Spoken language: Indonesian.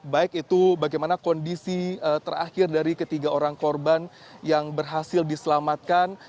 baik itu bagaimana kondisi terakhir dari ketiga orang korban yang berhasil diselamatkan